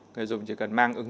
người dùng chỉ cần mang ứng dụng